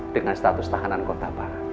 dengan status tahanan kota barat